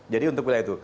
jadi untuk wilayah itu